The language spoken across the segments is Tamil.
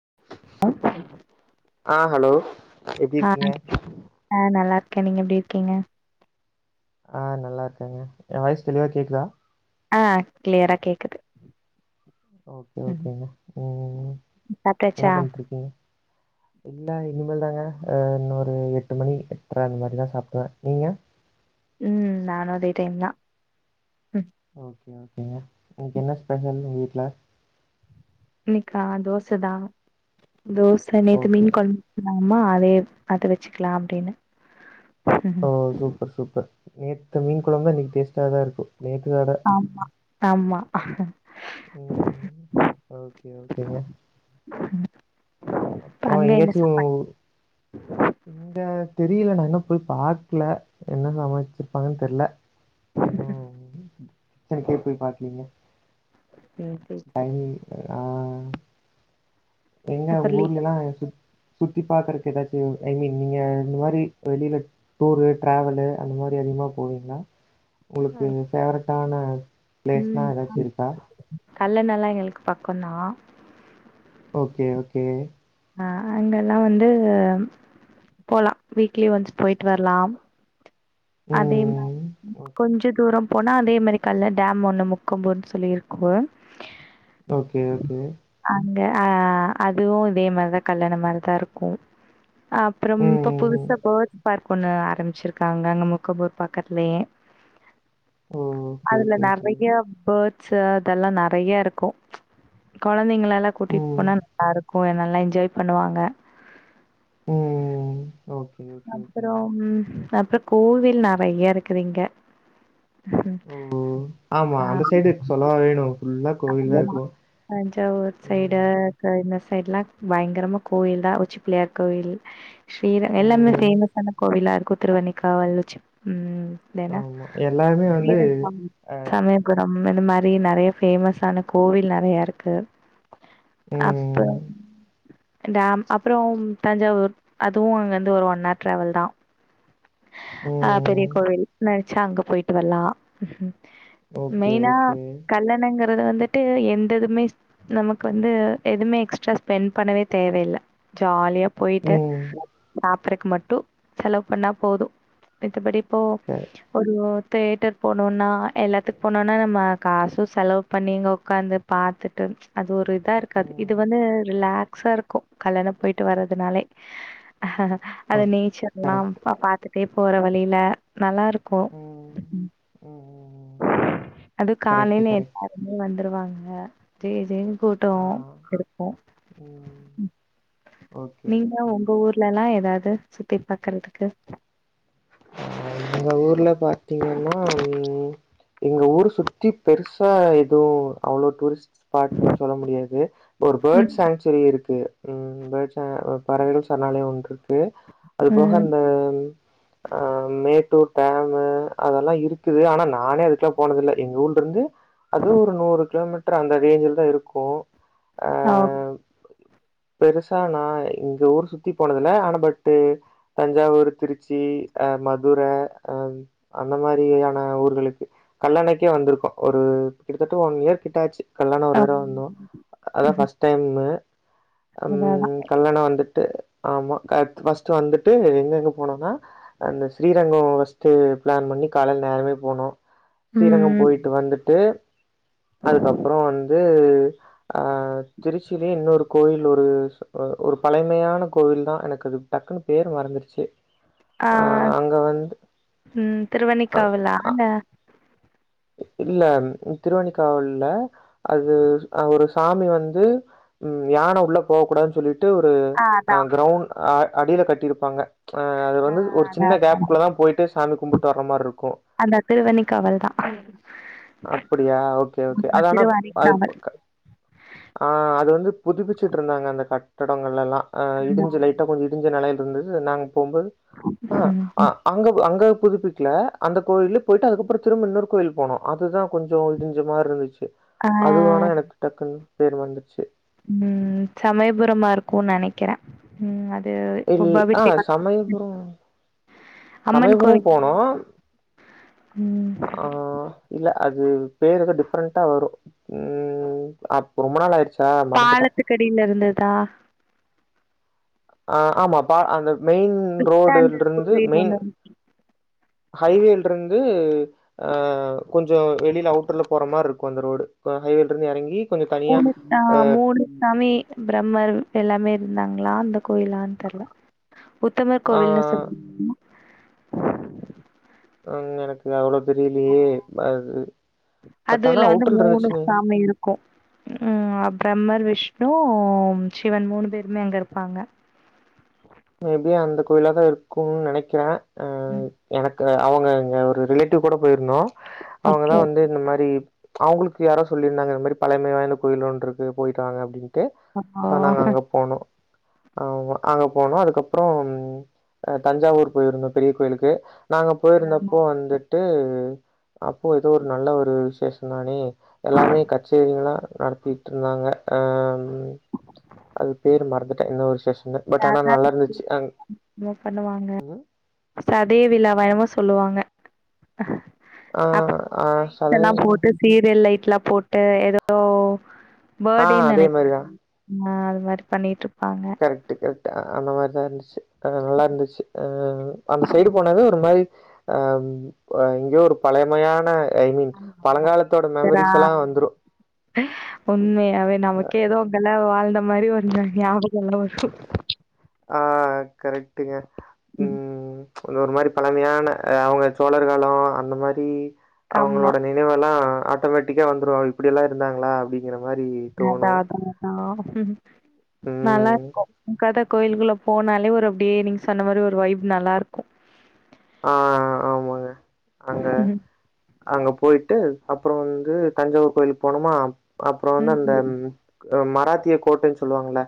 [unintelligible] ஆஹ் ஹலோ எப்டி ஆஹ் இருக்கீங்க ஆஹ் நல்லார் க்கே நீங்க எப்டி இருக்கீங்க ஆஹ் நல்லாருகேங்க ஏ வாய்ஸ் தெளிவா கேக்குதா ஆஹ் கிளியரா கேக்குது ஓகே ம் ஓகேங்க உம் என்ன சாப்ட்டாச்சா? பண்ட்டு இருக்கீங்க இல்ல இனிமேல் தாங்க இன்னொரு எட்டு மணி எட்ர அந்த மாரிதா சாப்டுவே நீங்க உம் நானு அதே டைம் தா ம் ஓகே ஓகேங்க இன்னிக்கு என்ன ஸ்பெஷல் வீட்ல இன்னிக்கா தோச தா தோச நேத்து ஓகே மீன் கொழம்பு ஆமா அதே அத வச்சுகலா அப்டின்னு ஓ சூப்பர் சூப்பர் நேத்து மீன் கொழம்பு இன்னிக்கு டேஸ்ட்ட தா இருக்கு நேத்து அட ஆமா. ஆமா உம் ஓகே ஓகேங்க ம் அப்ரோ எங்கயாச்சு இந்த தெரியல நா இன்னு போய் பாக்ல என்ன சமைச்சிருப்பாங்கன்னு தெரில இன்னு கிச்சனுக்கே போய் பாக்லீங்க டைமிங் ஆஹ் ம் எங்க உங்க அப்புறலி ஊர்லல்லா சுத் சுத் சுத்தி பாக்றதுக்கு ஏதாச்சு ஐமீன் நீங்க இந்த மாரி வெளில டூரு ட்ராவலு அந்த மாதிரி அதிகமா போவீங்ளா உங்ளுக்கு ஃபேவரட் டானா பிளேஸ்னா ம் ஏதாச்சு இருக்கா கல்லணல்லா எங்ளுக்கு பக்கோந்தா ஓகே ஓகே அஹ் அங்கல்லா வந்து போலா வீக்லி ஒன்ஸ் போய்ட்டு வர்லாம் அதே மாதிரி ம். ஓகே. கொஞ்சோ தூரோ போனா அதே மாரி கல்ல டேம் ஒண்ணு முக்கம்புன்னு சொல்லிருக்கு ஓகே ஓகே அஹ் அதுவு இதே மாரிதா கல்லண மாரிதா இருக்கு அப்ரம் ம், இப்போ ம், ம். புதுசா போர்ட்ஸ் பர்க் பொண்ணு ஆரம்பிச்ருக்காங்க அங்கமு க்க போர் பக்கதுலேயே ஓ! ஓகே, அதுல ஓகே, ஓகே. நெறைய பேர்ட்ஸ் ச அதெல்லா நெறைய இருக்கு கொழ கொழந்தைங்ளளா கூட்டிட்டு ம். போனா நல்லாருக்கு கொழந்தைல்லா என்ஜாய் பண்ணுவாங்க உம் ம் ம் அப்புறம் உ அப்பறம் கோவில் நெறைய இருக்குறீங்க ஓ ஆமா அந்த சைடு சொலவா வேணு புல்லா கோவில் தா ஆமா இருக்கு உம் சைட்லா பயங்கரமா கோயில் தா உச்சி பிள்ளையார் கோவில் ஸ்ரீ எல்லாமே ம். ஃபேமஸான கோவிலாருக்கு குத்துரவண காவலுச்சு உம் தென ஆமா எல்லாருமே வந்து [unintelligible] அ சய க உம் இது மாரி நெறையா பேமஸான கோவில் நெறையாருக்கு அப்ப ம் டேம் அப்பறோம் தஞ்சாவூர் அதுவு அங்க ஒரு ஒன் ஹர் ட்ராவல் தா ஆ பெரிய ம் கோவில் ந அங்க போயிட்டு வரலாம் ஓகே, மெயினா ஓகே. கல்லணங்க இதுல வந்துட்டு எந்த எதுமே நமக்கு வந்து எதுமே எக்ஸ்ட்ரா ஸ்பெண்ட் பண்ணவே தேவையில்ல ஜாலியா போயிட்டு ம் சாப்பறதுக்கு மட்டும் செலவு பண்ணா போதும் மித்தபடி இப்போ க ஒரு தேட்டர் போனோன்னா எல்லாத்துக்கு போனோன்னா நம்ம காசு செலவு பண்ணி அங்க ஒக்காந்து பாத்துட்டு அது ஒரு தா இருக்காது இது ம் வந்து ரிலாக் சா இருக்கு கல்லண போயிட்டு வர்றதுனாலே ஓ அந்த நேச்சர் எல்லா பாத்து ப்டியே போற வழியில நல்லா இருக் கு ம் ம் ம் அது கரெக்ட்டு, காலேனே கரெக்ட்டு. எல்லாருமே வந்துருவாங் அ ஜே ஜேன் ஆ கூட்டம் இருக்கு ம் ஓகே, நீங்க ஓகே. உங்க ஊர் ஏதாவது சுத்தி பாக்குறதுக்கு எங்க ஊர்ல பாத்தீங்கன்னா ம் எங்க ஊர் சுத்தி பெருசா எதுவு அவ்வளோ டூரிஸ்ட் ஸ்பாட்ன்னு சொல்ல முடியாது ஒரு ம் பேர்ட்ஸ் சேஞ்சுரி இருக்கு ம் பேர்ட்ஸ் அ பறவைகள் சரணாலயம் ஒன்னு இருக் து அது போக ம் அந்த மேட்டூர் டேமு அதெல்லா இருக்குது ஆனா நானே அதுக்கெல்லா போனதில்ல எங்க ஊர்ல இருந்து அது ஒரு நூறு கிலோமீட்டர் அந்த ரேஞ்ச்ல தா இருக்கு ஆ பெருசா நா இங்க ஊர் சுத்தி போனதுல ஆனா பட்டு தஞ்சாவூர் திருச்சி அ மதுர அந்த மாரியான ஊர்களுக்கு கல்லணைக்கே வந்திருக்கோ ஒரு கிட்டத்தட்ட ஒன் இயர் கிட்ட ஆச்சு கல்யாணோ ஒரு அம் தட வந்தோ அதா ம் பஸ்ட் டைமு அதா அதா ம் கல்யாணோ வந்து ட்டு ஆமா கத் பஸ்ட்டு வந்துட்டு எங்க எங்க போனோனா அந்த ஸ்ரீரங்கோ ஃவஸ்ட்டு பிளான் பண்ணி காலைல் நேரமே போனோ சீரங்கம் ம் போயிட்டு வந்துட்டு அதுக்கப்ற வந்து து ஆ திருச்சியிலயே இன்னொரு கோயில் ஒரு ஒரு பழமையான கோயில தா எனக்கு அது டக்குன்னு பேர் மறந்துருச்சு ஆ அங்க வந்து உம் அ அ திருவேணிக்காவலால இல்ல திருவேணிக்காவல்ல அது அ ஒரு சாமி வந்து ம் யான உள்ள போவக் கூடாதுன் சொல்லிட் ட்டு ஒரு ஆ அ அதா கிரவுண்ட் அ அடில கட்டிருப்பாங்க அ அது ஆ வந்து ஒரு அதா சின்ன அதா கேப் அதா குள்ளதா போயிட்டு சாமி கும்புட்டு வர்ற மார்ருக்கு அதா திருவண்ணிக்காவல் தா அப்புடியா ஓகே ஓகே ஆமா அதானாப் அது திருவானைக்காவல் ஆ அது வந்து புதுப்பிச்சுட்ருந்தாங்க அந்த கட் தடங்கள்லெலா அ அதா இடிஞ்ச லைட்டா கொஞ்ச இடிஞ்ச நெலைல தந்துது நாங் கும்பாபி அஹ ம் அ அங்க அங்க புதுப்பிக்கல அந்த கோயிலுக் போயிட்டு அதுக்கப்ற திரும்ப இன்னோர் கோயில் போனோ அதுதா கொஞ்ச இடிஞ்ச மாரி இருந்துச்சு ஆ அது வானா எனக்கு டக்குனு பேர் வந்துர்ச்சு க்கிறே உம் அது இல் ரொம்ப ஆ அபிஷேகம் சமயபுர அம்மன் சமயபுர கோவில் போனோ ம் ஆ இல்ல அது பேரு வந்து டிஃப்ரெண்ட்டா வரும் ம் அப் ரொம்ப நாள் ஆயிடுச்சு பாலத்துக்கடியில இருந்ததா ஆ ஆமா பா அந்த மெயின் பிச்சாண்டர் ரோடுல்ருந்து கோவில் மெயின் ஒன்னு ஹைவேல்ருந்து அ கொஞ்ச வெளில அவுட்டர்ல போற மார்ருக்கு இந்த ரோடு அ ஹைவேல்ருந்து எறங்கி கொஞ்சம் தனியா மூனு ஆ அ மூனுச்சாமி பிரம்மர் எல்லாமே இந்தாங்ளா அந்தக் கோயிலான் தெர்ல உத்தமர் ஆ கோவில்னு சொல் அங்கு எனக்கு அவ்ளோ தெரியலையே அது பட் ஆனா அதுல வந்து அவுட்டர்ல இருந்துச்சுங்க சாமி இருக்கும். ம் பிரம்மர் விஷ்ணு சிவன் மூணு பேருமே அங்க இருப்பாங்க மேபி அந்த கோயிலாதா இருக்குனு நெனைக்கறே ஆ ம். எனக் கு அவங்க இங்க ஒரு ரிலேட்டிவ் கூட போயிருந்தோ அவங்கதா ஓகே. வந்து இந்த மாரி அவங்களுக்கு யாரோ சொல்லியிருந்தாங்க இந்த மாரி பழமை வாய்ந்த கோயில் ஒன்னு இருக்கு போய்ட்டு வாங்க அப்டின்னு ட்டு ஆ சோ நாங்க அங்க போனோ ஆமா அங்க போனோ அதுக்கப்புறம் தஞ்சாவூர் போயிருந்தோ பெரிய கோயிலுக்கு நாங்க ஆமா. போயிருந்தப்போ வந்து ட்டு அப்போ ஏதோ ஒரு நல்ல ஒரு விசேஷந் தானே எல்லாமே கச்சேரில்லா நடத்தீட்ருந்தாங்க ஆம் அது பேரு மறந்துட்டே என்ன ஒரு விசேஷ [unintelligible] பண்ணுவாங்க ம் சதய விழாவா [unintelligible] சொல்லுவாங்க ஆ அப்புறொ ஆ அங்க லைட்ஸெல்லா சதயல போட்டு சீரியல் லைட் லா போட்டு ஏதோ ஆ பர்டேன்னு அதே நெனைக்கிறே ஆஹ அது மாரி பண்ணிட்டு கரெக்ட் கரெக்ட் அந்த மாரி நடந்துச்சு அஹ் நல்லா இருந்துச்சு அஹ அந்த சைடு போனது ஒரு மாரி அ எங்கேயோ ஒரு பழமையான ஐ மீன் ஆ ஆமா பழங்காலத்தோட மெமரிஸ் எல்லா வந்துரு [unintelligible] உண்மையாவே நமக்கே ஏதோ அங்க வாழ்ந்த மாரி ஒரு ஞாபக எல்லா வரு ஆஹ் கரெக்ட்டுங்க ம் அந்த ஒரு மாரி பழமையான அவங்க சோழர் காலொ அந்த மாரி ஆமா. அவங்களோட நினைவெல்லா ஆட்டோமேட்டிக்கா வந்துரு இப்படியெல்லா இருந்தாங்களா அப்படிங்கிற அதா அதா அதா ம் நல்லா ம் இருக்கு கத கோயிலுக்குள்ள போனாலே ஒரு அப்படியே நீங்க சொன்ன மாரி ஒரு வைப் நல்லாருக்கு ஆஹ் ஆமாங்க அங்க ம். அங்க போய் ட்டு அப்புறோ வந்து தஞ்சாவூர் கோய்லுக் போனுமா அப்புறோ வந்து அந்த ம் அ மராத்திய கோட்டைன் சொல்லுவாங்குள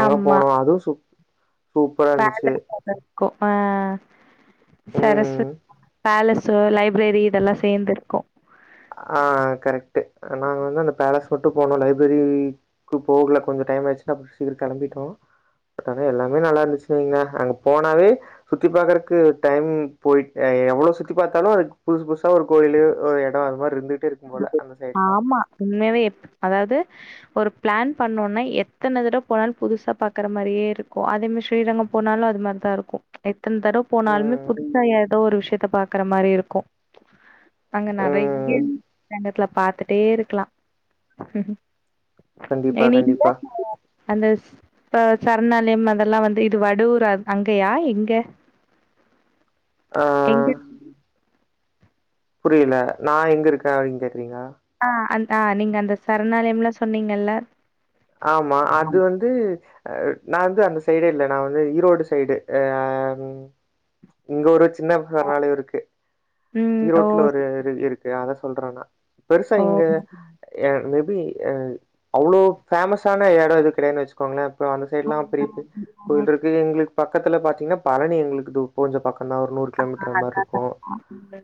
அங்க போனோ அதூ சூப் சூப்பரா இருந்துச்சு. பேலன்ஸ் மோட்டல் [unintelligible] ம். சரஸ்வத் பேலஸு லைப்ரேரி இதெல்லா சேர்ந்திருக்கு ஆஹ் கரெக்ட்டு அ நாங்க வந்து அந்த பேலஸ் கூட்டு போனு லைப்ரரி க்கு போகுல கொஞ்சோ டைம் ஆய்ட்ச்சு நா முட்ஸ்ட்டு ஊருக் கெளம்பிட்டோ அதா எல்லாமே நல்லா இருந்துச்சுங்க அங்க போனாவே சுத்தி பாகுறக்கு டைம் போய் எ எவுளோ சுத்தி பாத்தாலு அதுக்கு புதுசு புதுசா ஒரு கோயிலு ஒரு எ டோ அது மார்ருந்து ஆமா உண்மயாவே எப் அதாவது ஒரு பிளான் பண்ணோனா எத்தன தடவ் போனாலு புதுசா பாக்கற மாரியே இருக்கு அதே மார் ஸ்ரீரங்கோ போனாலு அது மார்தா இருக்கு எத் தன் தடவ் போனால்மே ம். புதுசா எதோ ஒரு விஷ் யத்த பாக்கற மாரி இருக்கு அங்க நெறைய்ய ம். அன்நேர்த்ல பாத்துட்டே இருக்லா நே கண்டிப்பா, நீ கண்டிப்பா. [unintelligible] அந்த ச சருணாலயம் அதெல்லா வந்து இது வடுவூரார் அங்கயா எங்க ஆ எங்க புரியல நா எங்க இருக்க அப்டின் கேக் ஆ அந் ஆ நீங்க அந்த சர்ணாலயம்லா சொன்னீங்கள்ல ஆமா அது வந்து ஆ நா வந்து அந்த சைடே இல்ல நா வந்து ஈரோடு சைடு ஆம் இங்க ஒருச் சின்ன சர்ணாலயு இருக்கு ம் ஓ ஈரோட்ல ஒரு இது இருக்கு அத சொல்றனா பெருசா ஓ இங்க ய மேபி அ அவ்ளோ ஃபேமஸான எடோ இருக்குறேன் வச்சுக்கோங்ளே அப்புறோ அந்த சைட்லா பெரிய பெ கோய்ல்டிருக்கு எங்ளுக் பக் பக்கத்துல பாத்தீங்ன்னா பழனி எங்ளுக்கு தூ கொஞ்சோ பக் ஆஹ் அத அத அதா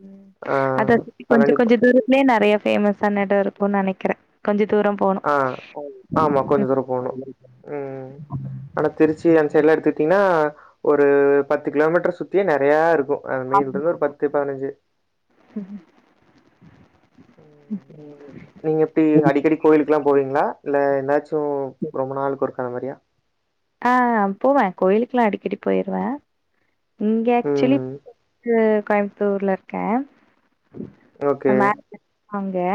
ஆ அது அதுக்கு கொஞ்ச பழனி போ கொஞ்ச தூரத்துலே நெறைய ஃபேமஸ் சான எடோ இருக்கு நெனைக்கிற கொஞ்ச தூரம் போணு ஆஹ் ஆமா கொஞ்ச ம் தூரோ போணு உம் ஆனா திருச்சி அந் சைட்ல எடுத்துட்டீங்ன்னா ஒரு பத்து கிலோமீட்டர் சுத்தி நறையா இருக்கு அ மெய்ல்ந்து ஒரு பத்து பதனஞ்சு நீங்க எப்டி அடிக்கடி கோயி க்குலா போவீங்ளா இல்ல என்னாச் சோ ரொம்ப நாள்க் ஒர் ஆ வரயா ஆ போவே கோயிலுக்லா அடிக்கடி போய்ருவ இங்க ஆக்சுலி ம். அ கோயம்தூர்ல இர்க்கே ஓகே அங்கே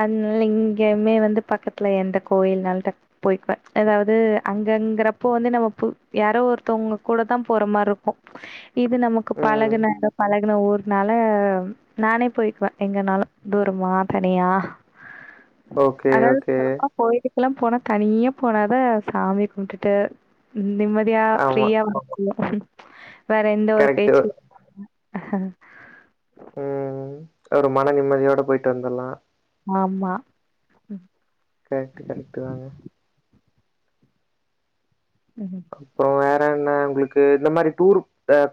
அத்னால இங்கேயுமே வந்து பக்கத்ல எந்த கோயில்னால் டக் போய்க்குவ எதாவ்து அங் ங்கிறப்போ வந்து நம்ம ப்பு யாரோ ஒர்தொங்க கூடதா போற மார் இர்க்கு இது நமக்கு ம். பழகின எடோ பழ ஒர் நாள நானே போயிக்குவ எங்கனாலு தூரமா தனியா ஓகே ஓகே ல்லாம் போனா தனியா போனாதா சாமி விட்டுட்டு ம் நிம்மதியா ஆமா. ஃப்ரீயா [unintelligible] [unintelligible] வேற எந்த ஒரு கரெக்ட்டு. பேச்சு அஹ் ம் ஒரு மன நிம்மதியோட போய்ட்டு வந்தர்லா ஆம்மா கரெக்ட்டு, கரெக்ட்டு தாங்க. ம் அப்றோ வே றேன்ன உங்களுக்கு இந்த மாரி டூர்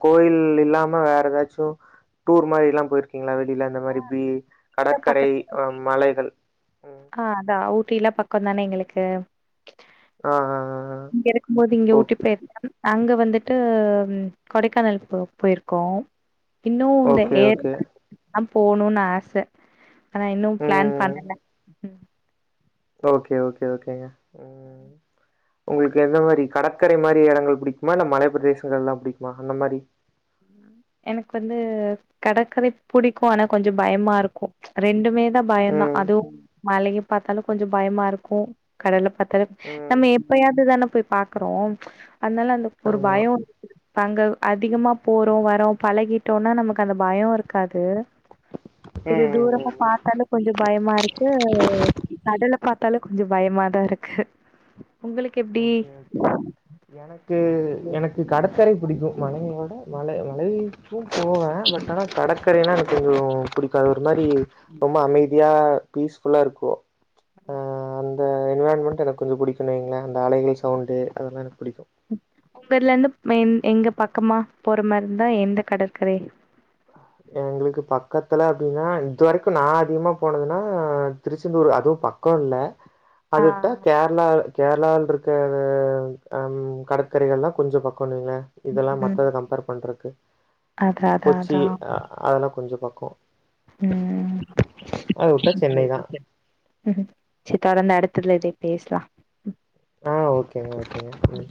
கோயில் இல்லாம வேற எதாச்சு டூர் மாரி எல்லா போய்ர்க்கிங்ளா எ இல்ல அந்த மாரி பி இங்க கடற்கரை பக்கத்துல அ மலைகள் ம் ட்டியெல்லா பக்கொன்தானே எங்களுக்கு ஆ ஆ ஹ இங்கே இருக்கும்போது இங்கே ஊட்டி போயிர்க்கம் அங்க வந்துட்டு ம் கொடைக்கானல் போ போயிர்க்கோ இன்னு இந்த ஓகே, ஏர் ஓகே. [inaudible] போணுன் ஆச ஆனா இன்னு பிளான் ம். பண்ணல ம் ஓகே ஓகே ஓகேங்க ம். உம் [inaudible] உங்களுக்கு எந்த மாரி கடற்கரை மாரி இடங்கள் புடிக்குமா இல்ல மலை பிரதேசங்கள் எல்லாம் புடிக்குமா அந்த மாரி எனக்கு வந்து கடற்கரை புடிக்கு ஆனா கொஞ்சோ பயமா இருக்கு ப்ச் ரெண்டுமே தா பயன்தான் ம். அதுவு மலைய பாத்தாலு கொஞ்சோ பயமா இருக்கு கடல பாத்தாலு ம். நம்ம எப்பயாதுதான போய் பார்க்குறோம் அதனால அந்த ஒரு ஆமா. பயோ அங்க அதிகமா போறோ வரோ பழகிட்டோனா நமக்கு அந்த பயோ இருக்காது ம் ம் ம் பாத்தாலு கொஞ்சோ பயமா இருக்கு கடல பாத்தாலு கொஞ்சோ பயமாதா இருக்கு உங்களுக் ஓகே ஓகே எனக்கு எனக்கு கடற் கரை புடிக்கும் மலயோட மலை மலை சு போவேன் பட் ஆனா கடற்கரைன்னா எனக்கு கொஞ்சம் புடிக்கா மாதிரி ரொம்ப அமைதியா பீஸ்ஃபுல்லா இருக்கும் அந்த என்விரான்மெண்ட் எனக்கு கொஞ்சம் புடிகோம்னு வைங்களே அந்த அலைகள் சவுண்டு அதெல்லாம் எனக் உன் பேர்ல இருந்து மேம் எங்க பக்கமா போற மாதிரி இருந்தா எந்த கடற்கரை எங்களுக்கு பக்கத்துல அப்படின்னா இதுவரைக்கும் நான் அதிகமா போனதுன்னா திருச்செந்தூர் அதுவும் பக்கம் இல்ல ஆ. அதுவுட்டா கேரளா கேரளாவில் இருக்க ம் கடற்கரைகள்லாம் கொஞ்சம் பக்கம் ணீங்கனா இதெல்லாம் மத்தத கம்பேர் பண்றதுக்கு [inaudible] அதா அத கொச்சி அதெல்லாம் கொஞ்சம் பக்கம் ம். அது உட்டா சென்னை தான் ம் சரி தொடர்ந்து அடுத்ததுல இதே பேசலாம் ஆ ஓகேங்க ஓகேங்க